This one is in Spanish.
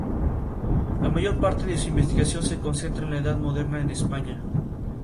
El regreso ante Betty no será el esperado por ellos.